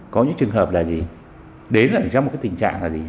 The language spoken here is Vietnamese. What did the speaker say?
có những trường hợp là gì đến trong một cái tình trạng là gì